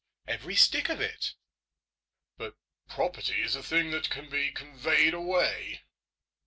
"Every stick of it." "But property is a thing which can be conveyed away."